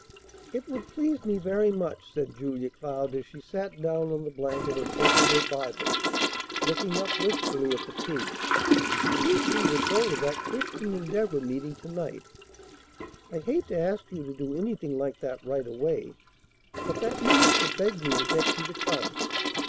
"It would please me very much," said Julia Cloud as she sat down on the blanket and opened her Bible, looking up wistfully at the two, "if you two would go to that Christian Endeavor meeting to night. I hate to ask you to do anything like that right away, but that minister begged me to get you to come.